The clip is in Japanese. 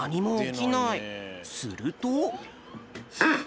すると。